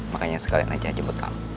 makanya sekalian aja jemput kamu